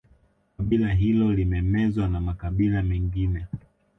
Kabila hilo limemezwa na makabila mengine